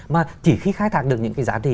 mà chỉ khi khai thác được những giá trị